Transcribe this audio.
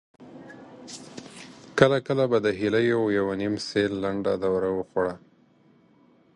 کله کله به د هيليو يوه نيم سېل لنډه دوره وخوړه.